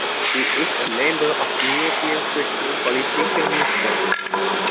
It is a member of the European Christian Political Movement.